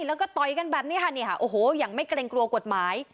แล้วก็ต่อยกันแบบนี้ค่ะเนี่ยค่ะโอ้โหอย่างไม่เกรงกลัวกฎหมาย